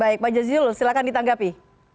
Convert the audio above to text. baik pak jazilul silahkan ditanggapi